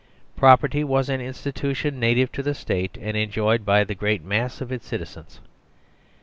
Property was an institution native to the State and enjoyed by the great mass of its citizens.